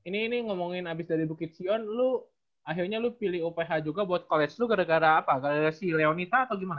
ini ngomongin abis dari bukit sion lu akhirnya lu pilih uph juga buat koles lu gara gara apa gara gara si leonita atau gimana